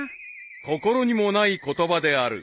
［心にもない言葉である］